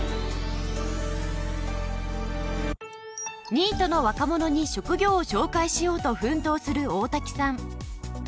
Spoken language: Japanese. ニートの若者に職業を紹介しようと奮闘する大瀧さん。